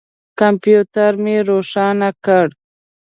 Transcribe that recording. کمپیوټر مې روښانه کړ.